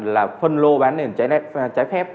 là phân lô bán nền trái khép